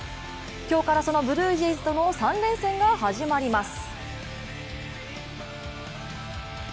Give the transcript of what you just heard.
今日からそのブルージェイズとの３連戦が始まります。